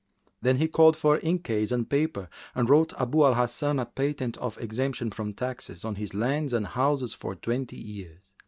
Then he called for inkcase and paper and wrote Abu al Hasan a patent of exemption from taxes on his lands and houses for twenty years.